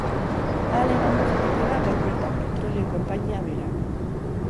Hala eman du jakitera gaur bertan petrolio-konpainia berak.